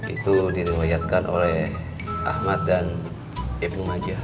itu direwayatkan oleh ahmad dan ibn majah